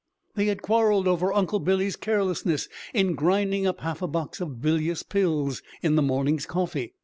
They had quarreled over Uncle Billy's carelessness in grinding up half a box of "bilious pills" in the morning's coffee.